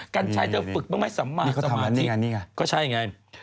กัญชัยจะฝึกไม่สัมมาสมาธิก็ใช่ไง